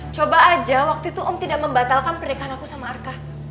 coba aja waktu itu om tidak membatalkan pernikahan aku sama arka